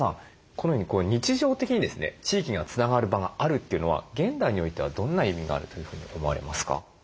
このように日常的にですね地域がつながる場があるというのは現代においてはどんな意味があるというふうに思われますか？